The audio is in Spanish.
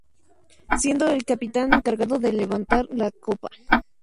Siendo el capitán encargado de levantar la copa.